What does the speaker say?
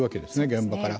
現場から。